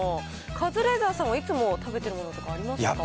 カズレーザーさんはいつも食べてるものとかありますか？